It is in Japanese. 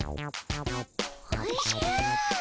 おじゃ。